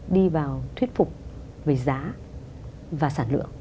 giúp phục về giá và sản lượng